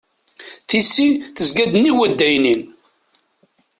Tisi tezga-d nnig uddaynin.